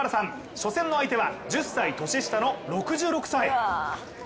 初戦の相手は１０歳年下の６６歳。